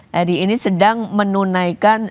heri ini sedang menunaikan